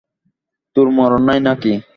তোর মরণ নাই নাকি।